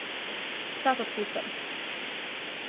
Сат откуцава.